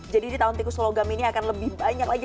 jadi di tahun tikus logam ini akan lebih banyak lagi